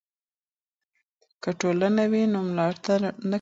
که ټولنه وي نو ملاتړ نه کمیږي.